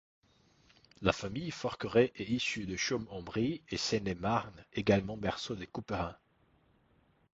La famille Forqueray est issue de Chaumes-en-Brie en Seine-et-Marne, également berceau des Couperin.